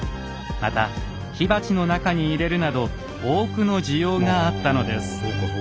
また火鉢の中に入れるなど多くの需要があったのです。